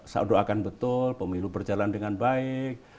saya doakan betul pemilu berjalan dengan baik